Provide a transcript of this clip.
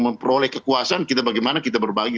memperoleh kekuasaan kita bagaimana kita berbagi